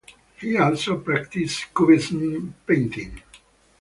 He also practised Cubism painting.